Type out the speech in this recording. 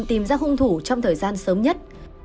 tìm ra hung thủ trong thời gian sớm nhất